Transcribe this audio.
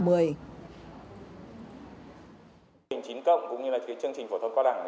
mô hình chín cộng cũng như là chương trình phổ thông có đẳng